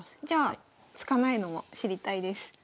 じゃあ突かないのも知りたいです。